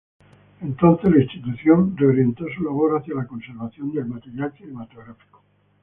Entonces, la institución reorientó su labor hacia la conservación del material cinematográfico.